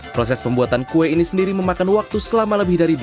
proses pembuatan kue ini sendiri memakan waktu selama lebih dari dua jam